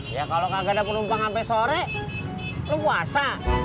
ya kalo kagak ada penumpang sampe sore lu puasa